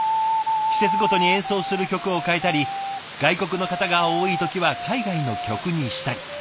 季節ごとに演奏する曲を変えたり外国の方が多い時は海外の曲にしたり。